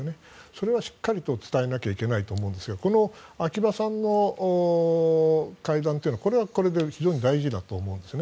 それはしっかり伝えないといけないと思うんですがこの秋葉さんの会談というのはこれはこれで非常に大事だと思うんです。